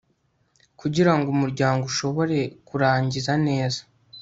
kugira ngo umuryango ushobore kurangiza neza